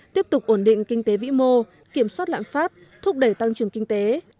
tiếp tục ổn định kinh tế vĩ mô kiểm soát lạm phát thúc đẩy tăng trưởng kinh tế